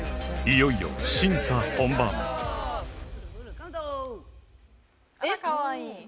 いよいよ審査本番あらかわいい！